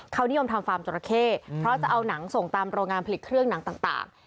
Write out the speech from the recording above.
เขานิยมทำฟาร์มจราเข้เพราะจะเอาหนังส่งตามโรงงานผลิตเครื่องหนังต่าง